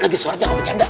lagi suara jangan bercanda